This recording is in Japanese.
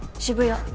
渋谷。